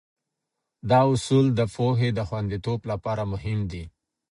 دا اصول د پوهې د خونديتوب لپاره مهم دي.